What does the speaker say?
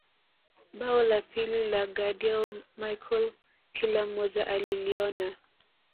Bao la pili ni la Gadiel Michael kila mmoja aliliona